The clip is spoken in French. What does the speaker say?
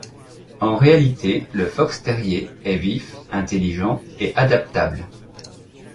En réalité le fox-terrier est vif, intelligent et adaptable.